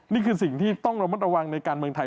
นี่คือสิ่งที่ต้องระมัดระวังในการเมืองไทย